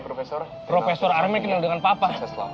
profesor armai kenal dengan papa